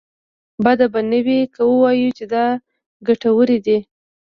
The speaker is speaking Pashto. بده به نه وي که ووايو چې دا ګټورې دي.